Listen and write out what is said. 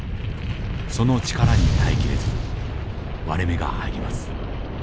その力に耐えきれず割れ目が入ります。